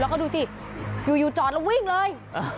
แล้วก็ดูสิอยู่จอดแล้ววิ่งเลย